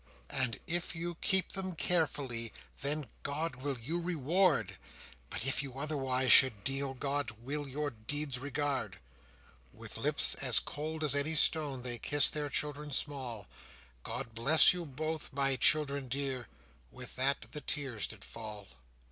"And if you keep them carefully, Then God will you reward; But if you otherwise should deal, God will your deeds regard." With lips as cold as any stone, They kissed their children small: "God bless you both, my children dear!" With that the tears did fall.